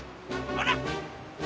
ほら。